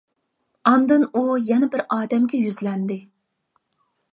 ئاندىن ئۇ يەنە بىر ئادەمگە يۈزلەندى.